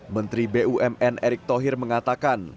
menteri bumn erick thohir mengatakan